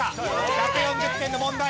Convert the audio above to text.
１４０点の問題。